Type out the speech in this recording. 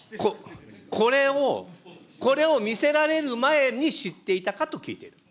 これを、これを見せられる前に知っていたかと聞いている。